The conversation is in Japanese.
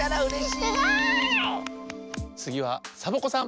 つぎはサボ子さん。